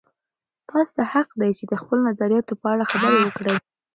تاسې ته حق دی چې د خپلو نظریاتو په اړه خبرې وکړئ.